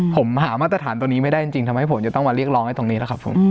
ผมหามาตรฐานตรงนี้ไม่ได้จริงทำให้ผมจะต้องมาเรียกร้องให้ตรงนี้นะครับผม